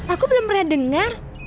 aku belum pernah dengar